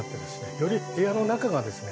より部屋の中がですね